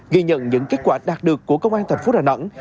ghi nhận những kết quả đạt được của công an thành phố đà nẵng